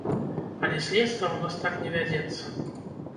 Але следства ў нас так не вядзецца.